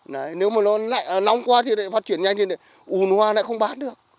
đấy nếu mà nó lạnh nóng quá thì lại phát triển nhanh thì lại ùn hoa lại không bán được